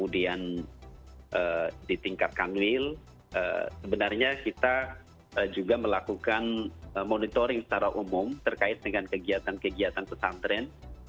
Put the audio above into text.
dan ditingkatkan wil sebenarnya kita juga melakukan monitoring secara umum terkait dengan kegiatan kegiatan pesantren